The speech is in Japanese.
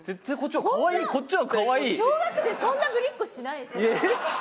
小学生そんなぶりっ子しないですよ。